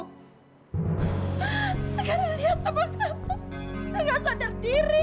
gara gara liat apa kamu gak sadar diri